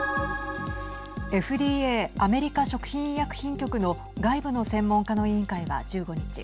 ＦＤＡ＝アメリカ食品医薬品局の外部の専門家の委員会は１５日